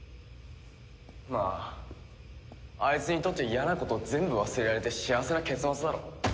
まああいつにとっちゃ嫌なこと全部忘れられて幸せな結末だろ。